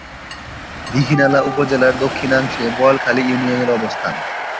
দীঘিনালা উপজেলার দক্ষিণাংশে বোয়ালখালী ইউনিয়নের অবস্থান।